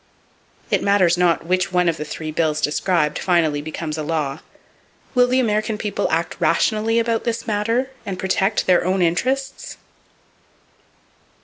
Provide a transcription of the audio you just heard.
It matters not which one of the three bills described finally becomes a law. Will the American people act rationally about this matter, and protect their own interests?